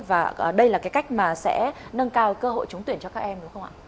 và đây là cái cách mà sẽ nâng cao cơ hội trúng tuyển cho các em đúng không ạ